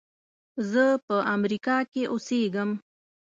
زه په امریکا کې اوسېږم.